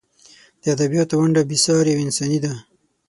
د ادبیاتو ونډه بې سارې او انساني ده.